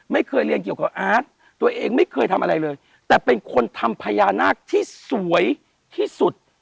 ไม่เคยเรียนเกี่ยวกับอาร์ตตัวเองไม่เคยทำอะไรเลยแต่เป็นคนทำพญานาคที่สวยที่สุด